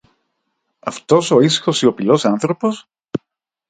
Αυτός ο ήσυχος σιωπηλός άνθρωπος;